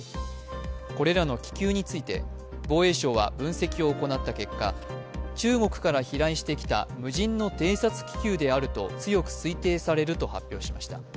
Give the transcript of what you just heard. これらの気球について、防衛省は分析を行った結果、中国から飛来してきた無人の偵察気球であると強く推定されると発表しました。